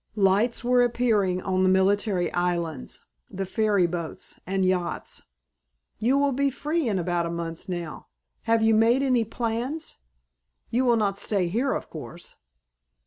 Lights were appearing on the military islands, the ferry boats, and yachts. "You will be free in about a month now. Have you made any plans? You will not stay here, of course."